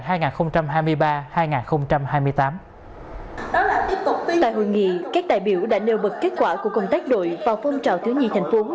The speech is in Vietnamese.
tiếp tại hội nghị các đại biểu đã nêu bật kết quả của công tác đội và phong trào thiếu nhi thành phố